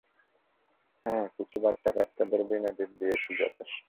হ্যাঁ, কিছু বাচ্চাকাচ্চাদের বিনোদন দিয়েছি যথেষ্ট।